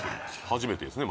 初めてですね